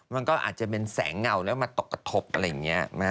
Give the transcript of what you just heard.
มันก็อาจจะเป็นแสงเงาแล้วมาตกกระทบอะไรอย่างนี้